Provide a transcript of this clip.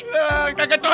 kita gak cocok tau